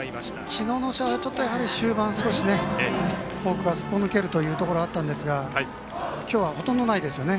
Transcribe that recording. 昨日の試合は終盤少し、フォークがすっぽ抜けるというところがあったんですが今日はほとんどないですね。